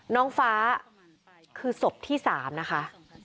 น้องฟ้าคือศพที่๓นะคะ